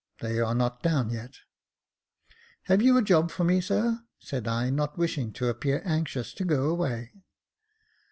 They are not down yet." "Have you a job for me, sir?" said I, not wishing to appear anxious to go away.